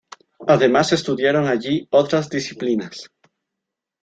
Además se estudiaron allí otras disciplinas.